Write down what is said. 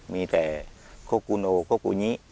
มีแต่โคกูโนโคกูนิ